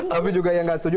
tapi juga yang gak setuju